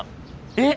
えっ？